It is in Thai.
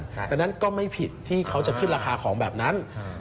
ดังนั้นก็ไม่ผิดที่เขาจะขึ้นราคาของแบบนั้น